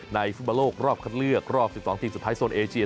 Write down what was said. ฟุตบอลโลกรอบคัดเลือกรอบ๑๒ทีมสุดท้ายโซนเอเชีย